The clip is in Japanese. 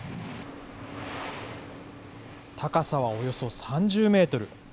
高さはおよそ３０メートル。